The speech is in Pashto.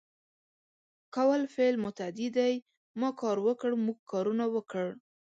کول فعل متعدي دی ما کار وکړ ، موږ کارونه وکړ